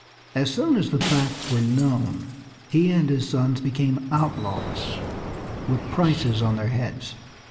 As soon as the facts were known he and his sons became outlaws with prices on their heads.